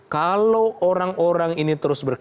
kalau orang orang ini terlalu banyak